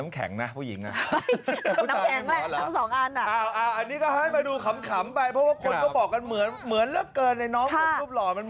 ไม่ใช่ครับไม่ใช่เออลบนะลบ